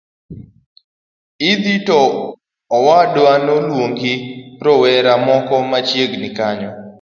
Idi to nodwa ni olwong rowera moko machiegni kanyo